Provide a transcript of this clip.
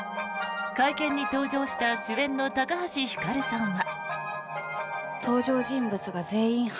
会見に登場した主演の高橋ひかるさんは。